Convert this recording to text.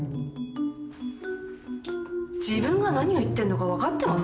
自分が何を言ってんのか分かってます？